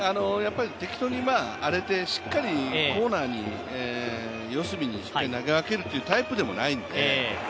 適当に荒れて、しっかり切り分けて、コーナーに四隅に投げ分けるっていうタイプでもないので。